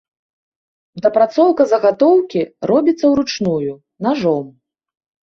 Дапрацоўка загатоўкі робіцца ўручную, нажом.